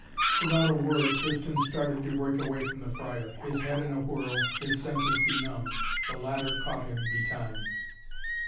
Without a word Tristan started to break away from the friar, his head in a whirl, his senses benumbed. The latter caught him betime.